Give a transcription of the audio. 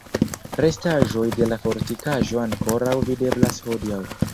Restaĵoj de la fortikaĵo ankoraŭ videblas hodiaŭ.